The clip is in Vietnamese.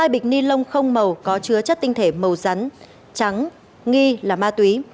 hai bịch ni lông không màu có chứa chất tinh thể màu rắn trắng nghi là ma túy